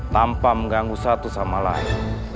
tanpa mengganggu satu sama lain